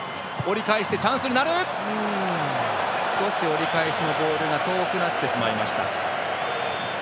折り返しのボールが遠くなってしまいました。